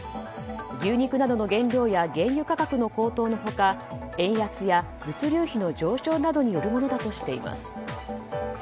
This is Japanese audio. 牛肉などの原料や原油価格の高騰の他円安や物流費の上昇などによるものだとしています。